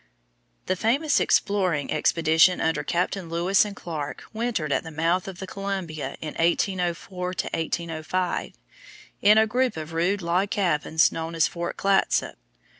The famous exploring expedition under Captains Lewis and Clark wintered at the mouth of the Columbia in 1804 1805, in a group of rude log cabins known as Fort Clatsop.